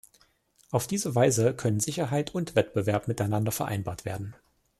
Auf diese Weise können Sicherheit und Wettbewerb miteinander vereinbart werden.